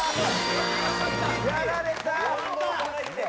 やられた。